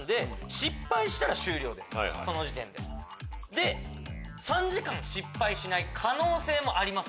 で３時間失敗しない可能性もあります